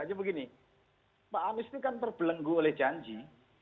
hanya begini pak anies itu kan terbelenggu oleh janji